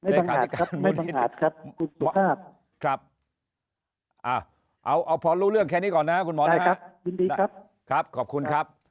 ราคาครับเอาพอรู้เรื่องแค่นี้ก่อนนะคุณหมอครับขอบคุณครับ